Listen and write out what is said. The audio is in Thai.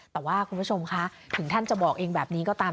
แต่ว่าคุณผู้ชมคะถึงท่านจะบอกเองแบบนี้ก็ตาม